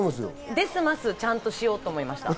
「です」、「ます」をちゃんとしようと思いました。